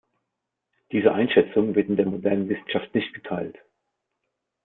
Diese Einschätzung wird in der modernen Wissenschaft nicht geteilt.